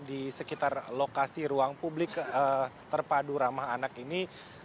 di sekitar lokasi ruang publik terpadu ramah anak ini